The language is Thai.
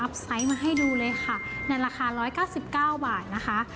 ไซต์มาให้ดูเลยค่ะในราคา๑๙๙บาทนะคะ